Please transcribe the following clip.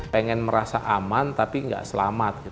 pengen merasa aman tapi nggak selamat